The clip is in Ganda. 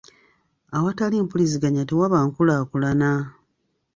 Awatali mpuliziganya tewaba nkulaakulana.